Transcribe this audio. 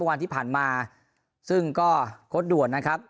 วันที่ผ่านมาซึ่งก็โค้ดด่วนนะครับ